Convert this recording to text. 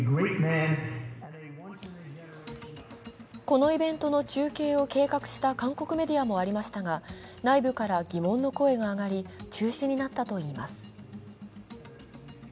このイベントの中継を計画した韓国メディアもありましたが内部から疑問の声が上がり中止になったといいます。